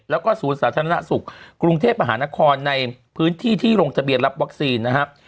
แล้วก็ศูนย์สาธารณสุขกรุงเทพมหานครในพื้นที่ที่ลงทะเบียนรับวัคซีนนะครับ